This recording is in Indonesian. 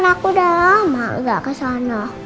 aku udah lama gak kesana